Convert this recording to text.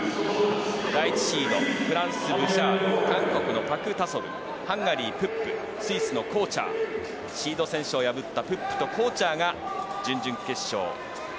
第１シードフランスのブシャール韓国のパク・タ・ソルハンガリー、プップコーチャーシード選手を破ったプップとコーチャーが準々決勝。